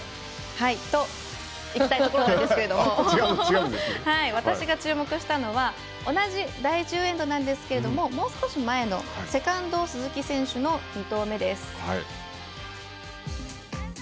と、行きたいところなんですけども私が注目したのは同じ第１０エンドなんですけどももう少し前のセカンド鈴木選手の２投目です。